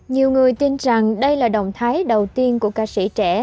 nhiều người tin rằng đây là động thái đầu tiên của ca sĩ trẻ